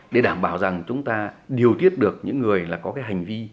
để đảm bảo rằng chúng ta điều tiết được những người là có cái hành vi